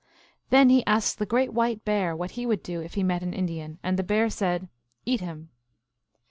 3 Then he asked the great White Bear what he would do if he met an Indian; and the Bear said, " Eat him."